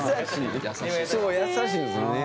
そう優しいんですよね。